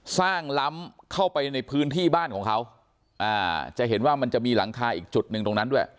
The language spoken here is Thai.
ล้ำเข้าไปในพื้นที่บ้านของเขาอ่าจะเห็นว่ามันจะมีหลังคาอีกจุดหนึ่งตรงนั้นด้วย